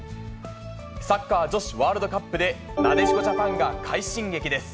サッカー女子ワールドカップで、なでしこジャパンが快進撃です。